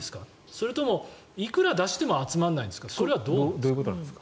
それともいくら出しても集まらないんですか？